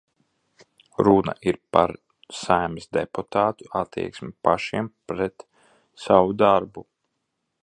Runa ir par Saeimas deputātu attieksmi pašiem pret savu darbu.